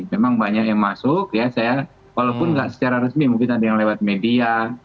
memang banyak yang masuk walaupun tidak secara resmi mungkin ada yang lewat media